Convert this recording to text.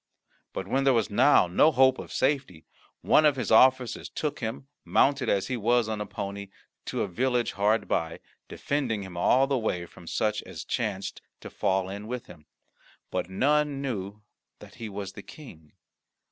But when there was now no hope of safety, one of his officers took him, mounted as he was on a pony, to a village hard by, defending him all the way from such as chanced to fall in with him but none knew that he was the King.